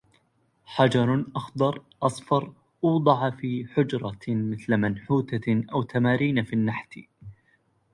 حَجَرٌ أَخضرُّ أَصفَرُّ أُوضَعُ في حُجْرَة مثلَ مَنْحُوتةٍ أَو تماريـنَ في النحت